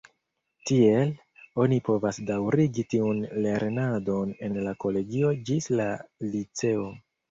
Tiel, oni povas daŭrigi tiun lernadon en la kolegio ĝis la liceo.